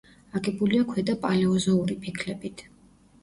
აგებულია ქვედა პალეოზოური ფიქლებით.